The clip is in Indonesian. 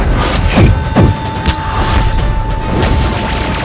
habis itu mengapa kau berhenti